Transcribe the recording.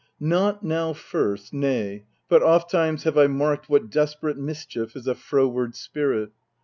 Not now first, nay, but ofttimes have I marked What desperate mischief is a froward spirit.